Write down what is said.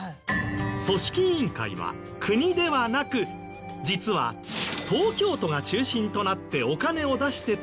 組織委員会は国ではなく実は東京都が中心となってお金を出して作った団体。